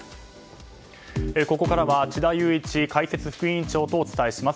ここからは智田裕一解説副委員長とお伝えします。